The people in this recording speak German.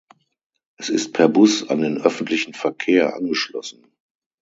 Es ist per Bus an den Öffentlichen Verkehr angeschlossen.